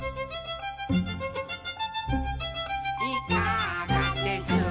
「いかがです」